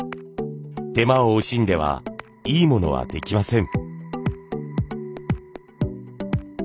手間を惜しんではいい物はできません。